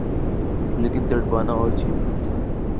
لیکن تڑپنا اورچیز ہے۔